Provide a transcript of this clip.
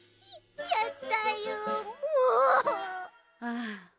ああ。